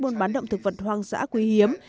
buôn bán động thực vật hoang dã quý hiếm